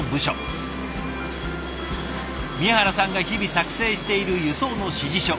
宮原さんが日々作成している輸送の指示書。